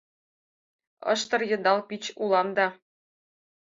Ыштыр-йыдал пич улам да